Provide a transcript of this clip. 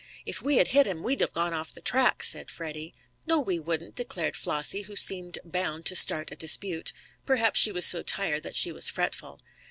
"If we had hit him we'd gone off the track," said Freddy. "No, we wouldn't," declared Flossie, who seemed bound to start a dispute. Perhaps she was so tired that she was fretful.